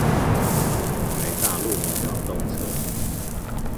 臺大鹿鳴堂東側